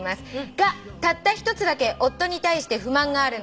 「がたった一つだけ夫に対して不満があるのです」